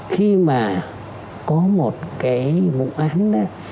khi mà có một cái vụ án đó